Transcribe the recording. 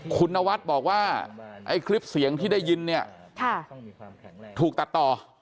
คุณนวัดบอกว่าไอ้คลิปเสียงที่ได้ยินเนี่ยถูกตัดต่อ